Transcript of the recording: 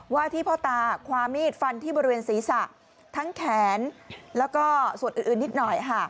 ว่าที่พ่อตาความมีดฟันที่บริเวณศีรษะทั้งแขนแล้วก็ส่วนอื่นนิดหน่อยค่ะ